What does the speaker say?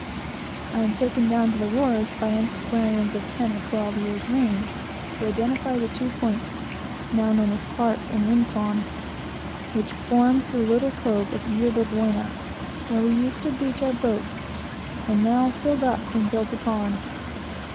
I am taken down to the wharves, by antiquaries of a ten or twelve years' range, to identify the two points, now known as Clark's and Rincon, which formed the little cove of Yerba Buena, where we used to beach our boats, now filled up and built upon.